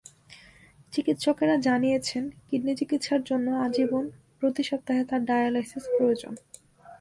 চিকিৎসকেরা জানিয়েছেন, কিডনি চিকিৎসার জন্য আজীবন প্রতি সপ্তাহে তাঁর ডায়ালাইসিস প্রয়োজন।